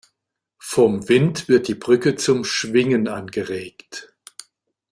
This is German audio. Vom Wind wird die Brücke zum Schwingen angeregt.